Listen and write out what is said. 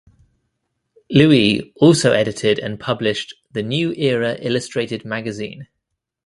Lewi also edited and published The "The New Era Illustrated Magazine".